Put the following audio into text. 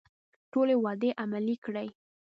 ټولې وعدې عملي کړي.